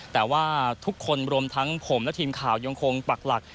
แต่ว่าทุกคนรวมทั้งผมและทีมข่าวยังคงปักหลัก